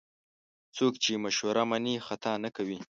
څوک چې مشوره مني، خطا نه کوي.